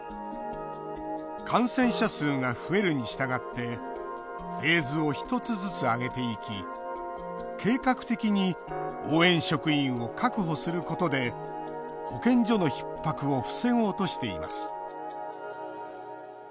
感染者数が増えるにしたがってフェーズを１つずつ上げていき計画的に応援職員を確保することで保健所のひっ迫を防ごうとしています。